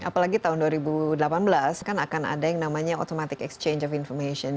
apalagi tahun dua ribu delapan belas kan akan ada yang namanya automatic exchange of information